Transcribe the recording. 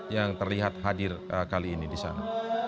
yang terlihat hadir kali ini di sana